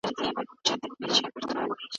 إبراهيم سورت په{ا. ل. ر} شروع سوی دی.